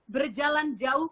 berjalan jauh ke tuhan